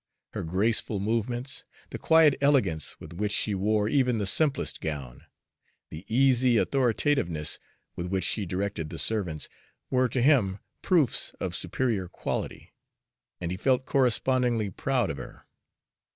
Her graceful movements, the quiet elegance with which she wore even the simplest gown, the easy authoritativeness with which she directed the servants, were to him proofs of superior quality, and he felt correspondingly proud of her.